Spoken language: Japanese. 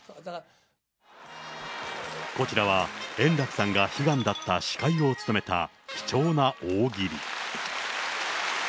こちらは円楽さんが悲願だった司会を務めた貴重な大喜利。